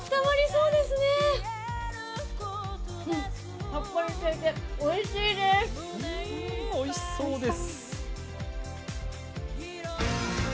うーん、おいしそうです。